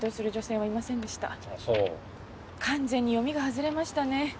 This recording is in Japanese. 完全に読みが外れましたね。